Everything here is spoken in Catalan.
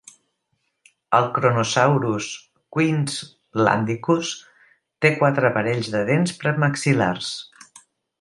El "Kronosaurus queenslandicus" té quatre parells de dents premaxil·lars.